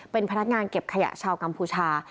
เป็นพนักงานเก็บขยะชาวกัมพูชา